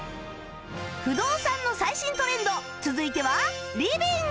不動産の最新トレンド続いてはリビング